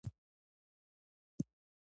نفت د افغانستان په طبیعت کې مهم رول لري.